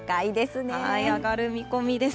上がる見込みです。